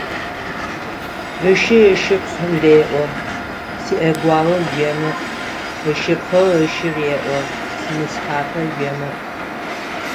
Ышы ышыпхъу реӀо: «СиӀэгуао уемыӀ», ышыпхъу ышы реӀо: «Синысхъапэ уемыӀ».